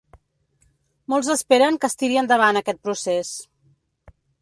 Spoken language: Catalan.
Molts esperen que es tiri endavant aquest procés.